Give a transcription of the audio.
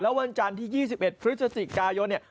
แล้ววันจานที่๒๑พฤศจิกายนเนี่ย